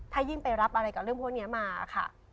ถ้ายิ่งไปรับอะไรกับแบบโดยนะพวกเนี่ยค่ะ